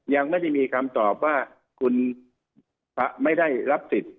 ยังไม่ได้มีคำตอบว่าคุณไม่ได้รับสิทธิ์